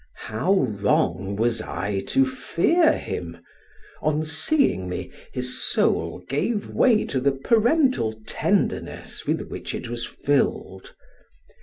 How wrong was I to fear him! On seeing me, his soul gave way to the parental tenderness with which it was filled.